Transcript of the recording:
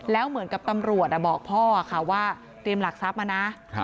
แล้วเหมือนกับตำรวจบอกพ่อค่ะว่าเตรียมหลักทรัพย์มานะ